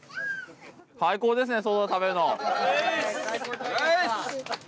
最高ですね、外で食べるの。